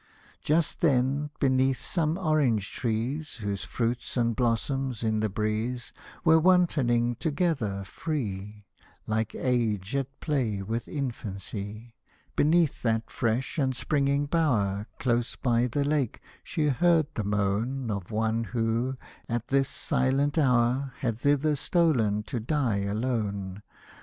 Just then beneath some orange trees, Whose fruit and blossoms in the breeze Were wantoning together, free, Like age at play with infancy — Beneath that fresh and springing bower, Close by the Lake, she heard the moan Of one who, at this silent hour, Had thither stolen to die alone.